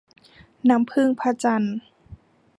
น้ำผึ้งพระจันทร์